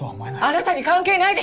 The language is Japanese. あなたに関係ないでしょ！